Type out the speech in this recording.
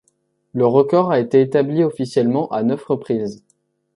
Le record a été établi officiellement à neuf reprises.